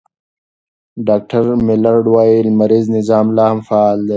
ډاکټر میلرډ وايي، لمریز نظام لا هم فعال دی.